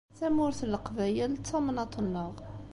Tamurt n Leqbayel d tamnaḍt-nneɣ.